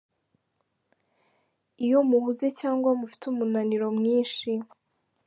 Iyo muhuze cyangwa mufite umunaniro mwinshi.